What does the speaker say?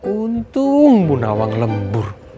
untung bu nawang lembur